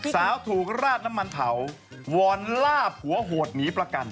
สาวถูกราดน้ำมันเผาวอนล่าผัวโหดหนีประกัน